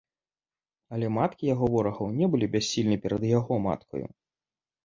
Але маткі яго ворагаў не былі бяссільны перад яго маткаю.